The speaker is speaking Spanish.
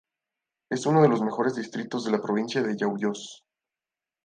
Es uno de los mejores distritos de la provincia de Yauyos.